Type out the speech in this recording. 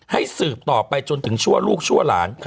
สืบต่อไปจนถึงชั่วลูกชั่วหลาน